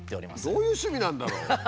どういう趣味なんだろう？えっ？